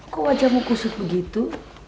kok wajahmu kusut begitu